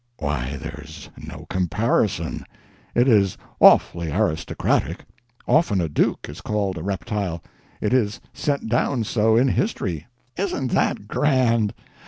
"Why, there's no comparison. It is awfully aristocratic. Often a duke is called a reptile; it is set down so, in history." "Isn't that grand!